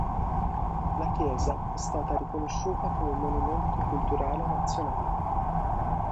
La chiesa è stata riconosciuta come monumento culturale nazionale.